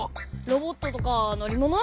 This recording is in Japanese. ロボットとかのりもの？